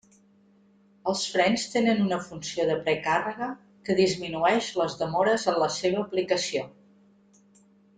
Els frens tenen una funció de precàrrega que disminueix les demores en la seva aplicació.